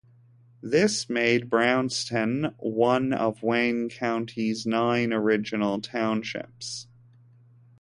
This made Brownstown one of Wayne County's nine original townships.